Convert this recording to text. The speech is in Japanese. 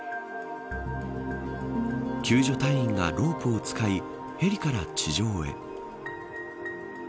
救助隊員がロープを使いヘリから地上へ。